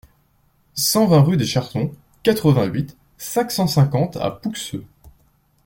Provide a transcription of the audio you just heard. cent vingt rue des Chartons, quatre-vingt-huit, cinq cent cinquante à Pouxeux